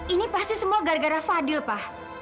ini pasti semua gara gara fadil pak